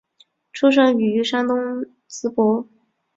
出生于山东淄博。